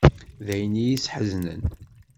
D ayen i y-issḥeznen.